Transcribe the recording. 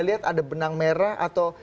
lihat ada benang merah atau